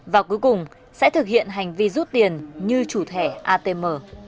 và cuối cùng sẽ thực hiện hành vi rút tiền như chủ thẻ atm